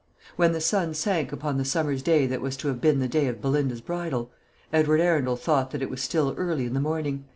When the sun sank upon the summer's day that was to have been the day of Belinda's bridal, Edward Arundel thought that it was still early in the morning.